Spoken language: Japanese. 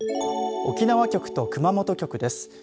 沖縄局と熊本局です。